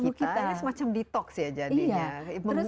kita ini semacam detox ya jadinya